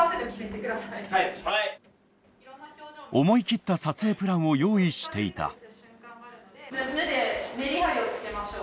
思い切った撮影プランを用意していた。